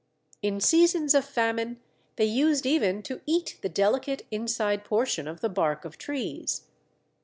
In seasons of famine, they used even to eat the delicate inside portion of the bark of trees.